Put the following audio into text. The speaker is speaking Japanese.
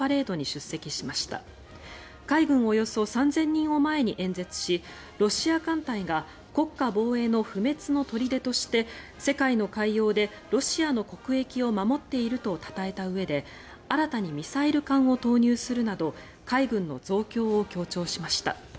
およそ３０００人を前に演説しロシア艦隊が国家防衛の不滅の砦として世界の海洋でロシアの国益を守っているとたたえたうえで新たにミサイル艦を投入するなど海軍の増強を強調しました。